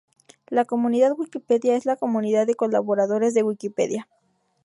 La comunidad Wikipedia es la comunidad de colaboradores de Wikipedia.